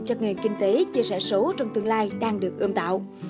cho các nghề kinh tế chia sẻ số trong tương lai đang được ươm tạo